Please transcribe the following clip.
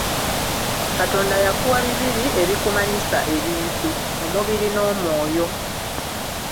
Katonda yakuwa bibiri ebikumanyisa ebintu; omubiri n'omwoyo.